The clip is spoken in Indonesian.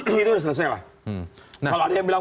itu sudah selesai lah kalau ada yang bilang